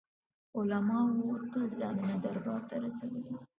علماوو تل ځانونه دربار ته رسولي دي.